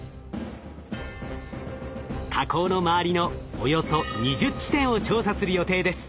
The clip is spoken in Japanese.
火口の周りのおよそ２０地点を調査する予定です。